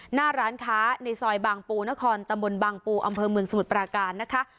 หน้าร้านค้าในซอยบางปูนครตำบลบางปูอำเภอเมืองสมุทรปราการนะคะ